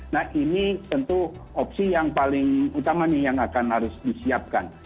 nah ini tentu opsi yang paling utama nih yang akan harus disiapkan